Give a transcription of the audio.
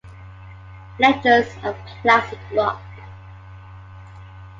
Legends of Classic Rock'.